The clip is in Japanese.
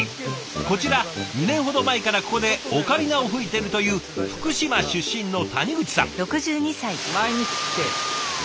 こちら２年ほど前からここでオカリナを吹いているという福島出身の谷口さん。